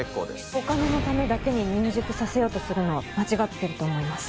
お金のためだけに入塾させようとするのは間違ってると思います。